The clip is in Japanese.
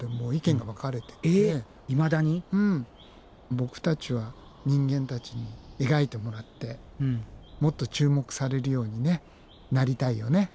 ボクたちは人間たちに描いてもらってもっと注目されるようになりたいよね。